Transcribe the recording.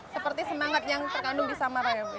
seperti semangat yang terkandung di samaraya bu